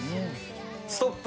ストップ！